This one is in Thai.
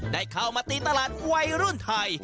ได้เข้ามาตีตลาดวัยรุ่นไทย